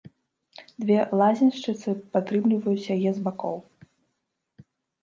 Дзве лазеншчыцы падтрымліваюць яе з бакоў.